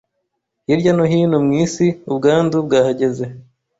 hirya no hino mu isi ubwandu bwahageze.